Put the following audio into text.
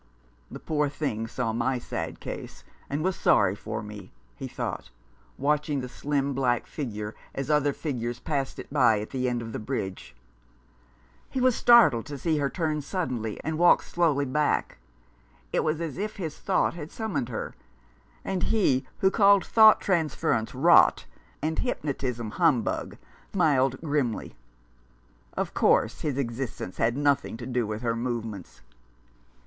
"The poor thing saw my sad case, and was sorry for me," he thought, watching the slim black figure as other figures passed it by at the end of the bridge. He was startled to see her turn suddenly and walk slowly back. It was as if his thought had summoned her ; and he, who called thought trans ference "rot," and hypnotism humbug, smiled grimly. Of course, his existence had nothing to do with her movements.